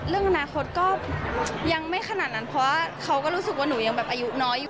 เรื่องอนาคตก็ยังไม่ขนาดนั้นเพราะว่าเขาก็รู้สึกว่าหนูยังแบบอายุน้อยอยู่